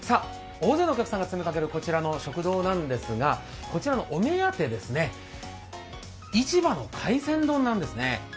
大勢のお客さんが詰めかけるこちらの食堂なんですがこちらのお目当て、市場の海鮮丼なんですね。